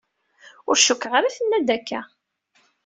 Ur cukkeɣ ara tenna-d akka.